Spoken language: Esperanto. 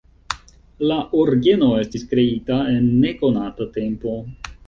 La orgeno estis kreita en nekonata tempo.